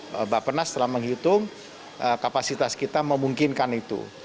bapak penas telah menghitung kapasitas kita memungkinkan itu